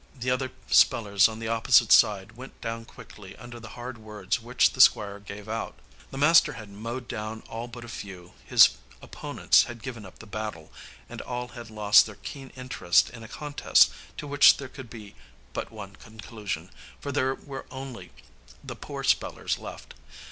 The other spellers on the opposite side went down quickly under the hard words which the Squire gave out. The master had mowed down all but a few, his opponents had given up the battle, and all had lost their keen interest in a contest to which there could be but one conclusion, for there were only the poor spellers left.